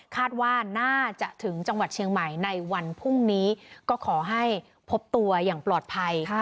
คาดว่าน่าจะถึงจังหวัดเชียงใหม่ในวันพรุ่งนี้ก็ขอให้พบตัวอย่างปลอดภัย